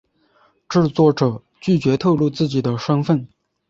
制作者拒绝透露自己的身份。